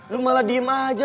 lo malah diem aja